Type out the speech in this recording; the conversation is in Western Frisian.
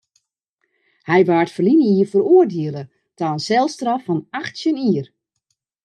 Hy waard ferline jier feroardiele ta in selstraf fan achttjin jier.